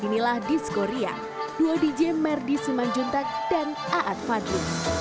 inilah disco ria duo dj merdi simanjuntak dan aad fadli